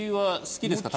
好きですか。